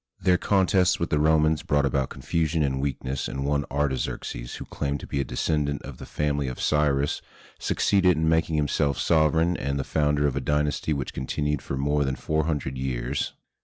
Their contests with the Romans brought about confusion and weakness, and one Artaxerxes, who claimed to be a descendant of the family of Cyrus, succeeded in making himself sovereign and the founder of a dynasty which continued for more than four hundred years.